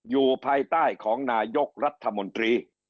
อยู่ภายใต้ของนายกรัฐมนตรี